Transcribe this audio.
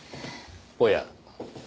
おや。